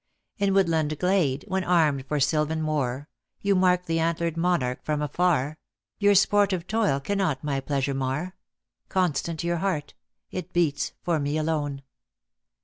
In woodland glade, when armed for sylvan war, You mark the antlered monarch from afar, Your sportive toil cannot my pleasure mar; Constant yonr heart; it beats for me alone.